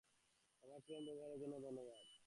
আমাদের ট্রেন ব্যবহারের জন্য ধন্যবাদ।